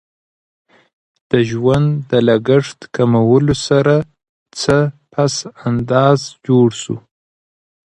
د ژوند د لګښت کمولو سره څه پس انداز جوړ سو.